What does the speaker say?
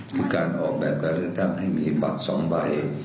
คือการออกแบบการเลือกตั้งให้มีบัตร๒ใบ